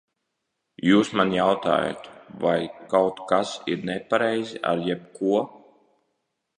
Jūs man jautājat, vai kaut kas ir nepareizi ar jebko?